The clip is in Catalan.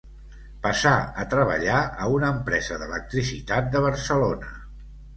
Passà a treballar a una empresa d'electricitat de Barcelona.